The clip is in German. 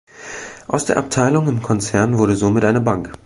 Aus der Abteilung im Konzern wurde somit eine Bank.